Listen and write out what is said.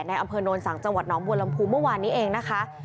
ในอำเภอโนรสังจังหวัดน้องบูรรณภูมิเมื่อวานนี้เองนะคะ